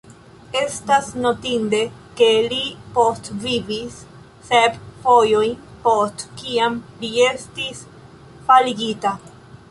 Estas notinde, ke li postvivis sep fojojn post kiam li estis faligita.